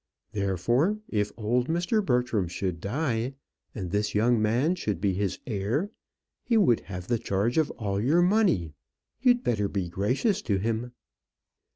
Therefore, if old Mr. Bertram should die, and this young man should be his heir, he would have the charge of all your money. You'd better be gracious to him."